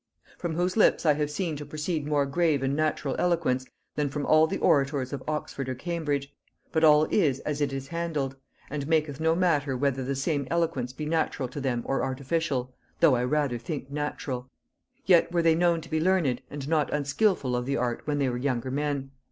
From whose lips I have seen to proceed more grave and natural eloquence, than from all the orators of Oxford or Cambridge; but all is as it is handled, and maketh no matter whether the same eloquence be natural to them or artificial (though I rather think natural); yet were they known to be learned and not unskilful of the art when they were younger men....